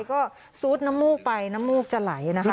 ก็ซูดน้ำมูกไปน้ำมูกจะไหลนะคะ